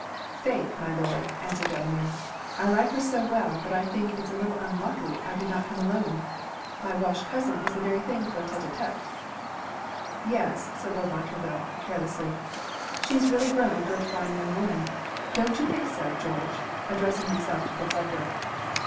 'Faith, my Lord,' answered Delamere, 'I like her so well that I think it's a little unlucky I did not come alone. My Welch cousin is the very thing for a tête à tête.' 'Yes,' said Lord Montreville, carelessly, 'she is really grown a good fine young woman. Don't you think so, George?' addressing himself to Fitz Edward.